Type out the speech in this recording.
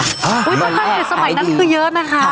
สมัยนั้นคือเยอะนะคะ